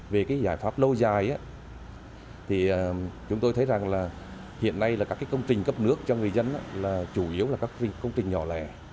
về cái giải pháp lâu dài thì chúng tôi thấy rằng là hiện nay là các cái công trình cấp nước cho người dân là chủ yếu là các công trình nhỏ lẻ